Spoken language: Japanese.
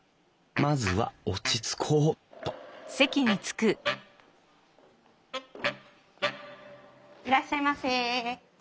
まずは落ち着こうっといらっしゃいませ。